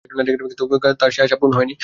কিন্তু তার সে আশা পূর্ণ হয়নি।